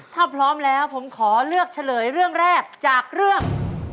ถ้าพร้อมแล้วผมขอเลือกเฉลยเรื่องแรกจากเรื่อง